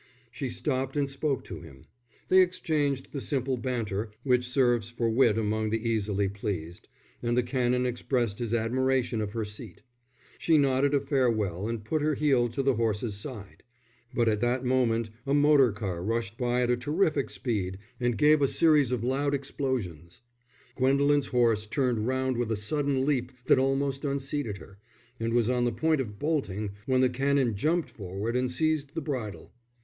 She stopped and spoke to him. They exchanged the simple banter which serves for wit among the easily pleased, and the Canon expressed his admiration of her seat. She nodded a farewell and put her heel to the horse's side. But at that moment a motor car rushed by at a terrific speed and gave a series of loud explosions. Gwendolen's horse turned round with a sudden leap that almost unseated her, and was on the point of bolting, when the Canon jumped forward and seized the bridle.